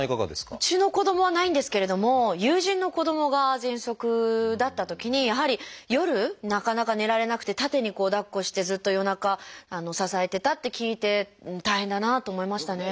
うちの子どもはないんですけれども友人の子どもがぜんそくだったときにやはり夜なかなか寝られなくて縦にこうだっこしてずっと夜中支えてたって聞いて大変だなと思いましたね。